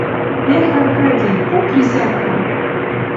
«Эх, Аркадий! Пу присядкым!